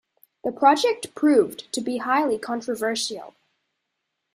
The project proved to be highly controversial.